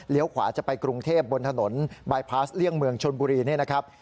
ขวาจะไปกรุงเทพบนถนนบายพาสเลี่ยงเมืองชนบุรีนี่นะครับ